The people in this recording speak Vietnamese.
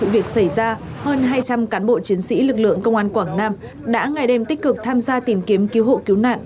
vụ việc xảy ra hơn hai trăm linh cán bộ chiến sĩ lực lượng công an quảng nam đã ngày đêm tích cực tham gia tìm kiếm cứu hộ cứu nạn